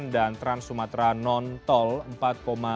dan trans sumatera non jawa